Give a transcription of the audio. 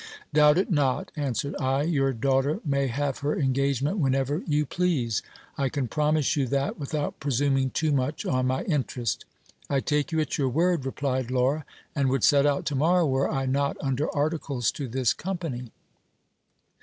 Doubt it not, answered I : your daughter may have her engagement whenever you please ; I can promise you that, without presuming too much on my interest. I take you at your word, replied Laura, and would set out to morrow, were I not un der articles to this company.